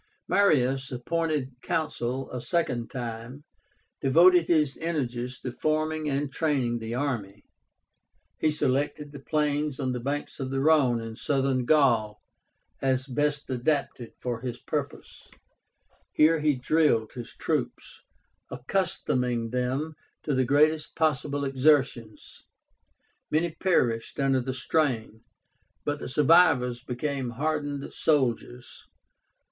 Marius, appointed Consul a second time, devoted his energies to forming and training the army. He selected the plains on the banks of the Rhone in Southern Gaul as best adapted for his purpose. Here he drilled his troops, accustoming them to the greatest possible exertions. Many perished under the strain, but the survivors became hardened soldiers.